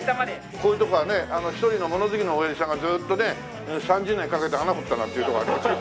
こういうとこはね１人の物好きのおやじさんがずっとね３０年かけて穴掘ったなんていうとこありますよね。